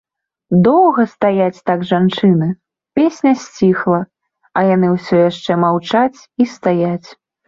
Доўга стаяць так жанчыны, песня сціхла, а яны ўсё яшчэ маўчаць і стаяць.